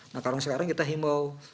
nah sekarang kita himau